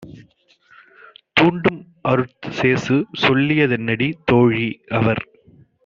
தூண்டும் அருட்சேசு சொல்லிய தென்னடி? தோழி - அவர்